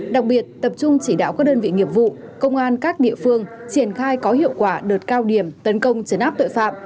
đặc biệt tập trung chỉ đạo các đơn vị nghiệp vụ công an các địa phương triển khai có hiệu quả đợt cao điểm tấn công chấn áp tội phạm